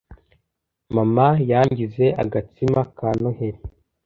Mama yangize agatsima ka Noheri.